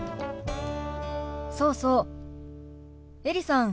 そうそうエリさん。